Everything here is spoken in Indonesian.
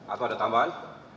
atau ada tambahan